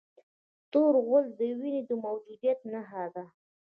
تور غول د وینې د موجودیت نښه ده.